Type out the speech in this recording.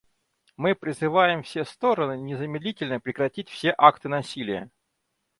Мы призываем все стороны незамедлительно прекратить все акты насилия.